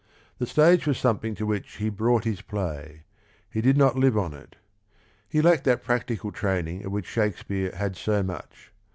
The stage was something to which he brought his play: he did not live on it. He lacked that practical training of which Shake speare had so much.